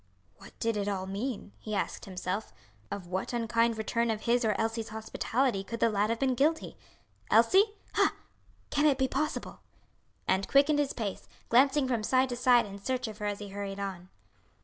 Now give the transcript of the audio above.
"What did it all mean?" he asked himself; "of what unkind return of his or Elsie's hospitality could the lad have been guilty? Elsie! ha! can it be possible?" and quickened his pace, glancing from side to side in search of her as he hurried on.